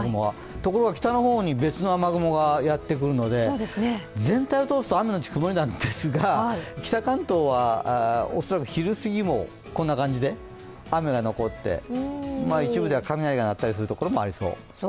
ところが、北の方に別の雨雲がやってくるので、全体を通すと雨のち曇りなんですが、北関東は恐らく昼すぎもこんな感じで雨が残って一部では雷が鳴ったりするところもありそう。